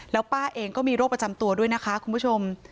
แล้วป้าเองก็มีโรคประจำตัวด้วยนะคะคุณผู้ชม